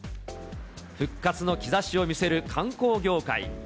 復活の兆しを見せる観光業界。